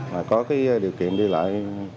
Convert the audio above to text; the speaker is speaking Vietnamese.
mà có cái điều kiện đi lại